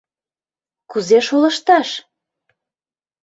Кузе шолышташ?..